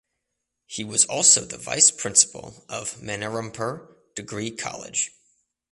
He was also the vice principal of Manirampur Degree College.